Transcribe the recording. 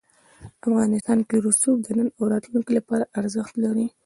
افغانستان کې رسوب د نن او راتلونکي لپاره ارزښت لري.